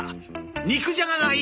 肉じゃががいい。